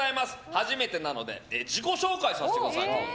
初めてなので自己紹介させてください。